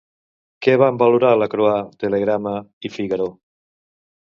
Què van valorar la Croix, Télérama i Figaro?